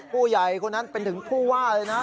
ผู้ใหญ่คนนั้นเป็นถึงผู้ว่าเลยนะ